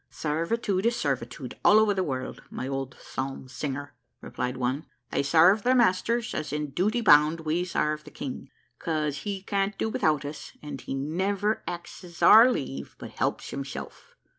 "Sarvitude is sarvitude all over the world, my old psalm singer," replied one. "They sarve their masters, as in duty bound; we sarve the King, 'cause he can't do without us and he never axes our leave, but helps himself."